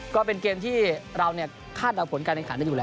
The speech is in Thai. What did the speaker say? ก็เป็นเกมที่เราเนี่ยคาดกาลผลในคาดได้อยู่แล้ว